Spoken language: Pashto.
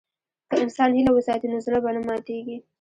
که انسان هیله وساتي، نو زړه به نه ماتيږي.